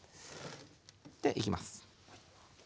ではいきます。